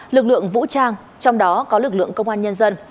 lực lượng vũ trang trong đó có lực lượng công an nhân dân